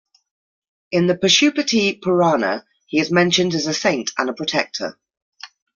In the "Pashupati Purana", he is mentioned as a saint and a protector.